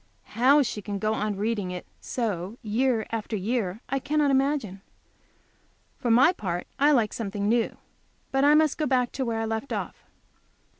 How she can go on reading it so year after year, I cannot imagine. For my part I like something new. But I must go back to where I left off.